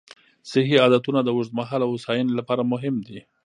صحي عادتونه د اوږدمهاله هوساینې لپاره مهم دي.